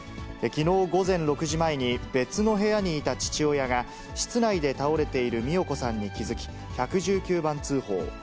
きのう午前６時前に、別の部屋にいた父親が、室内で倒れている美代子さんに気付き、１１９番通報。